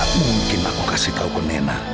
gak mungkin aku kasih tau ke nenak